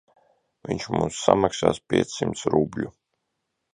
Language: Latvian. Viņš mums samaksās piecsimt rubļu.